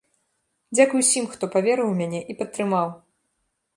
Дзякуй усім, хто паверыў у мяне і падтрымаў!